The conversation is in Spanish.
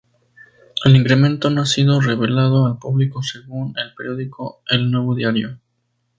El incremento no ha sido revelado al público, según el periódico El Nuevo Diario.